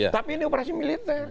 tapi ini operasi militer